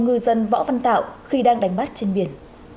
ngư dân võ văn tạo khi đang đánh bắt trên biển